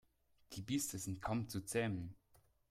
Die Biester sind kaum zu zähmen.